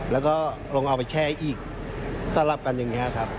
แล้วก็ลองเอาไปแช่อีกสลับกันอย่างนี้ครับ